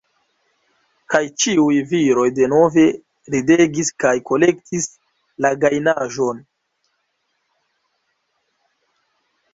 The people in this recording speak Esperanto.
Kaj ĉiuj viroj denove ridegis kaj kolektis la gajnaĵon.